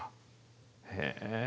へえ。